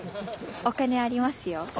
あっお金ありますよ。